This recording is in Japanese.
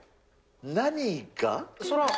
何が？